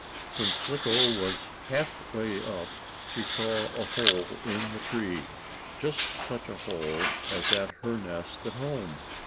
When Slicko was half way up, she saw a hole in the tree, just such a hole as at her nest at home.